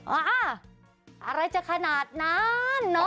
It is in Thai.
อะไรจะขนาดนั้นเนอะ